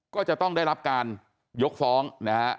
ก็จะต้องได้รับการยกฟ้องนะฮะ